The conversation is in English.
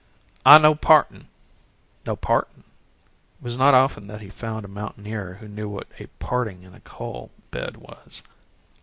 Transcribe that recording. "An' no partin'." "No partin'" it was not often that he found a mountaineer who knew what a parting in a coal bed was.